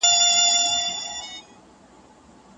مناجات